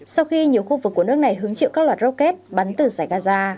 sau khi nhiều khu vực của nước này hứng chịu các loạt rocket bắn từ giải gaza